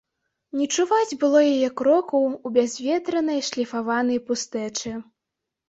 Не чуваць было яе крокаў у бязветранай шліфаванай пустэчы.